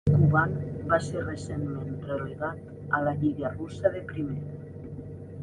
Kuban va ser recentment relegat a la lliga russa de primera.